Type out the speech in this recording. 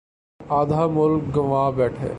آدھا ملک گنوا بیٹھے۔